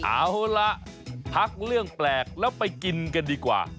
เอาล่ะพักเรื่องแปลกแล้วไปกินกันดีกว่า